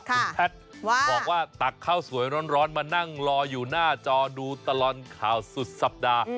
คุณแพทย์บอกว่าตักข้าวสวยร้อนมานั่งรออยู่หน้าจอดูตลอดข่าวสุดสัปดาห์